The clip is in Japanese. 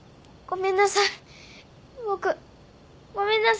ごめんなさい。